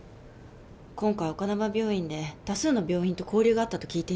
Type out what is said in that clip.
今回丘珠病院で多数の病院と交流があったと聞いています。